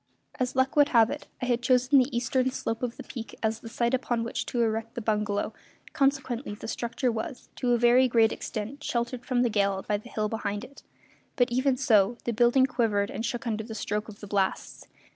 As luck would have it, I had chosen the eastern slope of the peak as the site upon which to erect the bungalow, consequently the structure was, to a very great extent, sheltered from the gale by the hill behind it; but, even so, the building quivered and shook under the stroke of the blasts.